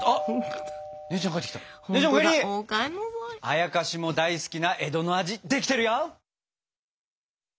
あやかしも大好きな江戸の味できてるよ。